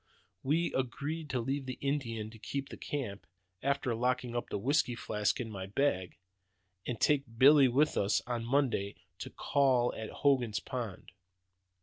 We agreed to leave the Indian to keep the camp (after locking up the whisky flask in my bag), and take Billy with us on Monday to 'call' at Hogan's Pond.